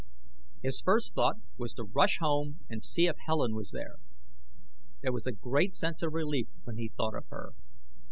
His first thought was to rush home and see if Helen was there. There was a great sense of relief when he thought of her.